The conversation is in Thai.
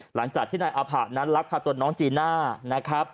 หลังจากที่นายอภานั้นรับพาตัวน้องจีน่า